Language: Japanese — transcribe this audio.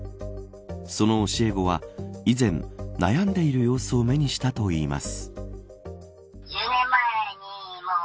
その教え子は以前悩んでいる様子を目にしたといいます。